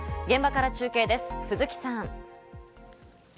現場から中継です、鈴木さん。